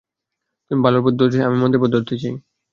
তুই ভালোর পথ ধরতে চাস, আমি মন্দের পথ ধরতে চাই।